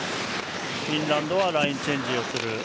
フィンランドはラインチェンジする。